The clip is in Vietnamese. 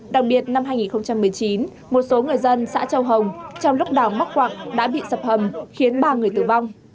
đặc biệt năm hai nghìn một mươi chín một số người dân xã châu hồng trong lúc đào mắc quạng đã bị sập hầm khiến ba người tử vong